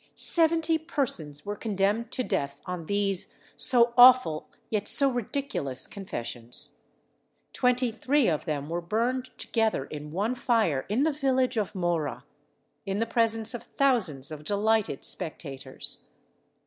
Seventy persons were condemned to death on these so awful, yet so ridiculous confessions. Twenty three of them were burned together in one fire in the village of Mohra, in the presence of thousands of delighted spectators.